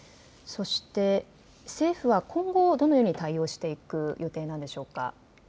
そして政府は今後どのように対応していく予定なんでしょうか。